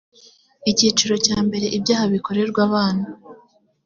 icyiciro cya mbere ibyaha bikorerwa abana